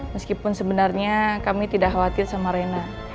meskipun sebenarnya kami tidak khawatir sama rena